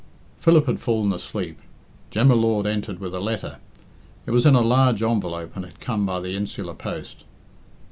Philip had fallen asleep. Jem y Lord entered with a letter. It was in a large envelope and had come by the insular post.